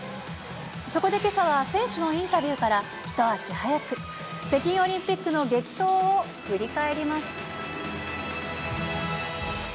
そこでけさは選手のインタビューから、一足早く、北京オリンピックの激闘を振り返ります。